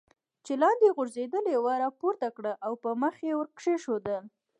چې لاندې غورځېدلې وه را پورته کړل او پر مخ یې ور کېښودل.